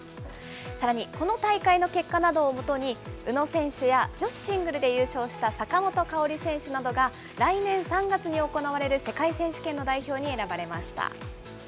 さらにこの大会の結果などをもとに、宇野選手や女子シングルで優勝した坂本花織選手などが、来年３月に行われる世界選手権の代表に選ばれました。